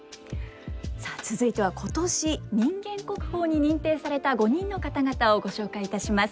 さあ続いては今年人間国宝に認定された５人の方々をご紹介いたします。